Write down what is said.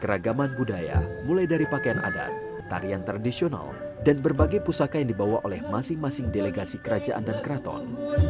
keragaman budaya mulai dari pakaian adat tarian tradisional dan berbagai pusaka yang dibawa oleh masing masing delegasi kerajaan dan keraton